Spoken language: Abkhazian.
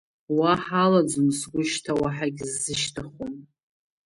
Уаҳа алаӡом сгәы, шьҭа уаҳагь сзышьҭыхуам.